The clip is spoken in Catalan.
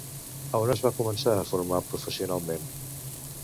A on es va començar a formar professionalment?